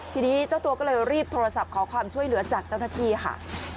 ทีนี้เจ้าตัวก็เลยรีบโทรศัพท์ขอความช่วยเหลือจากเจ้าหน้าที่ค่ะ